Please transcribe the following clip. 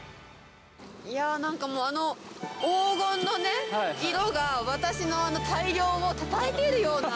いやー、なんかもう、あの黄金のね、色が、私の大漁をたたえているような。